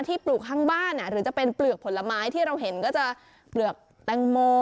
ปลูกข้างบ้านหรือจะเป็นเปลือกผลไม้ที่เราเห็นก็จะเปลือกแตงโม